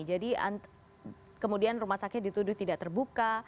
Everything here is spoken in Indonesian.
jadi kemudian rumah sakit dituduh tidak terbuka